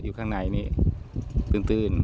อยู่ข้างในนี่ตื่น